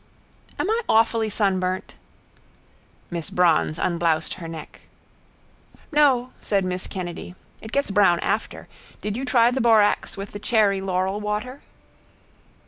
—Am I awfully sunburnt? Miss bronze unbloused her neck. —No, said miss Kennedy. It gets brown after. Did you try the borax with the cherry laurel water?